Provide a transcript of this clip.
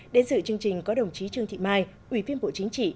đến sự chương trình có đồng chí trương thị mai ủy viên bộ chính trị